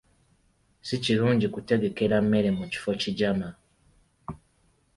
Si kirungi kutegekera mmere mu kifo kigyama.